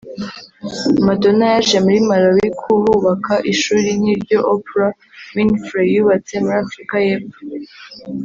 Madonna yaje muri Malawi kuhubaka ishuri nk’iryo Oprah Winfrey yubatse muri Afurika y’Epfo